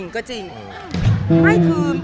ก็จริง